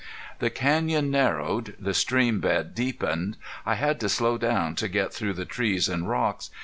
The canyon narrowed, the stream bed deepened. I had to slow down to get through the trees and rocks.